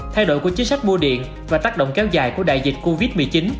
thay đổi của chính sách mua điện và tác động kéo dài của đại dịch covid một mươi chín